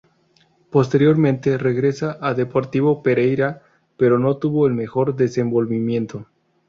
Posteriormente, regresa a Deportivo Pereira, pero no tuvo el mejor desenvolvimiento.